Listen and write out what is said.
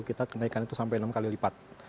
kita kenaikan itu sampai enam kali lipat